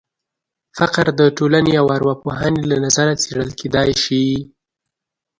فقر د ټولنپوهنې او ارواپوهنې له نظره څېړل کېدای شي.